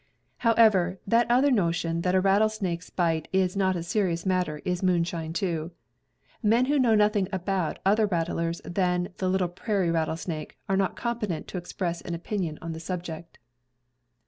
However, that other notion that a rattlesnake's bite is not a serious matter is moonshine, too. Men who know nothing about other rattlers than the little prairie rattlesnake are not competent to express an opinion on the subject.